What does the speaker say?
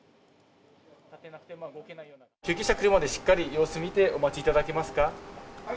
救急車来るまでしっかり様子見て、お待ちいただけますか。